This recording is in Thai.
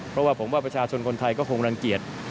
เพราะว่าผมว่าประชาชนคนไทยก็คงรังเกียจ